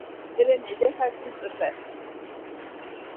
Veren eli herkes öper.